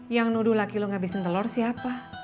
yang nuduh laki lu ngabisin telur siapa